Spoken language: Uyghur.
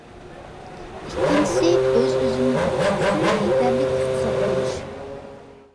ئىككىنچىسى، ئۆز-ئۆزۈمنى بېقىش ئۈچۈن يېتەرلىك ئىقتىساد بولۇش.